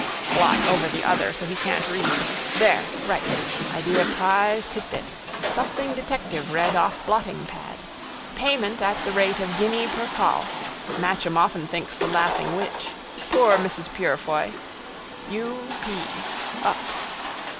Blot over the other so he can't read. There. Right. Idea prize titbit. Something detective read off blottingpad. Payment at the rate of guinea per col. Matcham often thinks the laughing witch. Poor Mrs Purefoy. U. P: up.